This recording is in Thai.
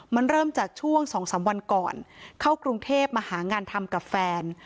มันเริ่มจากช่วง๒๓วันก่อนเข้ากรุงเทพมาหางานทำกับแฟน